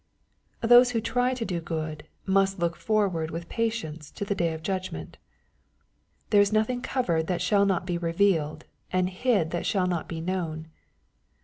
Those who try to do good must look forward with patience to the day of Judgment, "There is nothing covered that shall not be revealed, and hid that shall not be known."